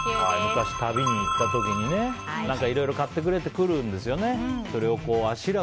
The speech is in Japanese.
昔、旅に行った時にねいろいろ買ってくれって来るんですよね。